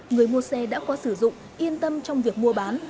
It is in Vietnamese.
người mua xe đã có sử dụng yên tâm trong việc mua bán